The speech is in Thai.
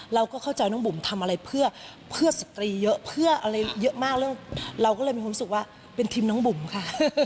เราก็เข้าใจน้องบุ๋มทำอะไรเพื่อสตรีเยอะเพื่ออะไรเยอะมากเรื่องเราก็เลยมีความรู้สึกว่าเป็นทีมน้องบุ๋มค่ะ